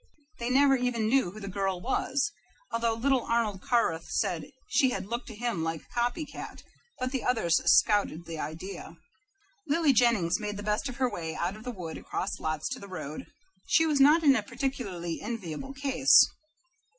They never even knew who the girl was, although little Arnold Carruth said she had looked to him like "Copy Cat," but the others scouted the idea. Lily Jennings made the best of her way out of the wood across lots to the road. She was not in a particularly enviable case.